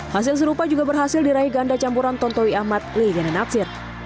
hasil serupa juga berhasil diraih ganda campuran tontowi ahmad liliana natsir